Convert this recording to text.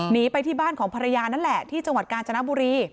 หนีไปที่บ้านของภรรยานั่นแหละที่จังหวัดกาญจนบุรี